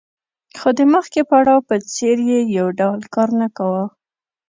خو د مخکیني پړاو په څېر یې یو ډول کار نه کاوه